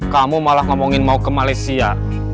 kamu malah ngomongin mau ke malaysia